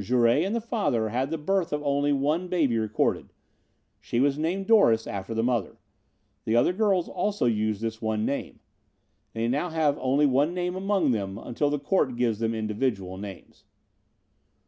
Jouret and the father had the birth of only one baby recorded. She was named Doris, after the mother. The other girls also used this one name. They now have only one name among them until the court gives them individual names.